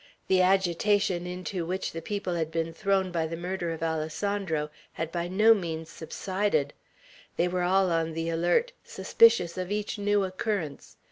The agitation into which the people had been thrown by the murder of Alessandro had by no means subsided; they were all on the alert, suspicious of each new occurrence.